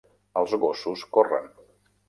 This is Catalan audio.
Els gossos corren.